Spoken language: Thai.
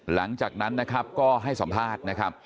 หลังจากนั้นก็ให้สัมภาษณ์